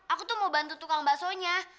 aku tuh mau bantu tukang baksonya